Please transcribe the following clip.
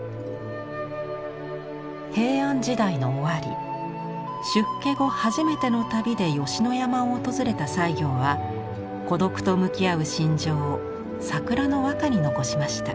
平安時代の終わり出家後初めての旅で吉野山を訪れた西行は孤独と向き合う心情を桜の和歌に残しました。